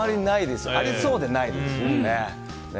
ありそうでないですよね。